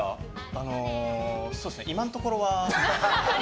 そうっすね、今のところは。